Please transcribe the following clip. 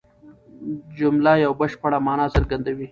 جمله یوه بشپړه مانا څرګندوي.